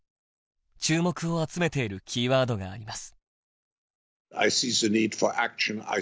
注目を集めている「キーワード」があります。